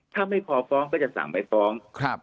ถ้าไม่พอฟ้องก็จะสั่งไม่ฟ้อง